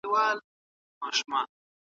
ستا د کیږدۍ له ماښامونو سره لوبي کوي